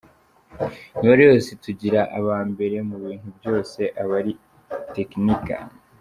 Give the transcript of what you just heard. Imibare yose itugira aba mbere mu bintu byose aba ari itekinika.